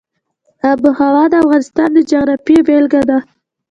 آب وهوا د افغانستان د جغرافیې بېلګه ده.